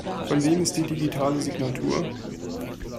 Von wem ist die digitale Signatur?